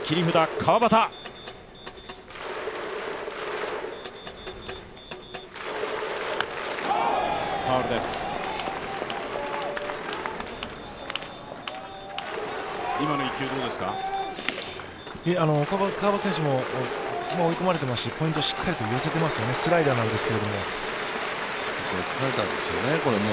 川端選手も追い込まれていますし、ポイントをしっかりと寄せてますよね、スライダーなんですが。